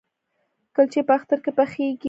کلچې په اختر کې پخیږي؟